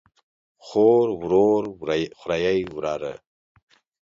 خور، ورور، خوریئ ،وراره